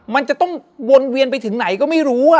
มันจะต้องวนเวียนไปถึงไหนก็ไม่รู้